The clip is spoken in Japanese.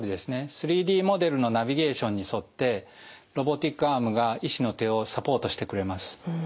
３Ｄモデルのナビゲーションに沿ってロボティックアームが医師の手をサポートしてくれます。